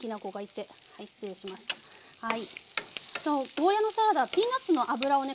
ゴーヤーのサラダピーナツの油をね